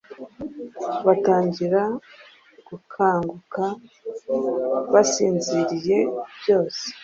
Batangira gukanguka basinziriye Byose.